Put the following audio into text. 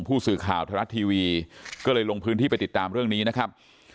ผู้สื่อข่าวไทยรัฐทีวีก็เลยลงพื้นที่ไปติดตามเรื่องนี้นะครับ